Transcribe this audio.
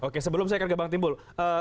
oke sebelum saya kembang timbul